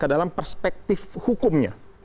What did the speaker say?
kedalam perspektif hukumnya